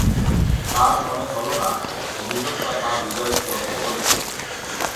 তার মনে হলো না অভিযোগটা তার হৃদয় স্পর্শ করেছে।